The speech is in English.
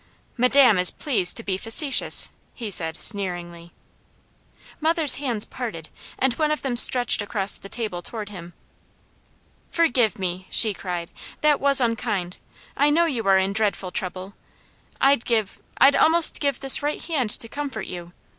"Madame is pleased to be facetious," he said sneeringly. Mother's hands parted, and one of them stretched across the table toward him. "Forgive me!" she cried. "That was unkind. I know you are in dreadful trouble. I'd give I'd almost give this right hand to comfort you.